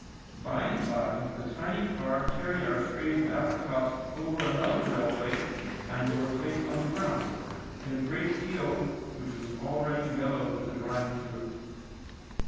By and by the tiny car carried our trays of apricots over another railway and they were HOW WE CUT APRICOTS. 119 placed on the ground, in a great field which was already yellow with the drying fruit.